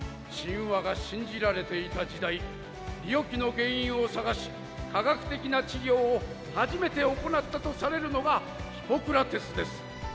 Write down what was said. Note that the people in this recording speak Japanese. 神話が信じられていた時代病気の原因を探し科学的な治療を初めて行ったとされるのがヒポクラテスです。